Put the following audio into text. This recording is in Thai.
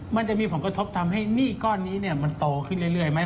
มันจะมีผลกระทบทำให้หนี้ก้อนนี้มันโตขึ้นเรื่อยไหม